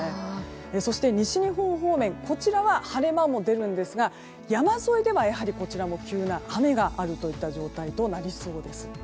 そして、西日本方面こちらは晴れ間も出るんですが山沿いでは、やはりこちらも急な雨がある状態となりそうです。